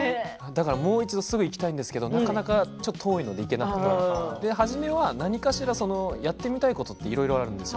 もう一度すぐ行きたいんですけどなかなか遠いので行けなくて初めは何かしらやってみたいことって、いろいろあるんですよ。